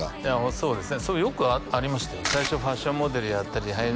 そうですね